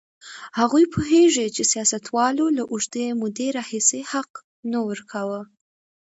هغوی پوهېږي چې سیاستوالو له اوږدې مودې راهیسې حق نه ورکاوه.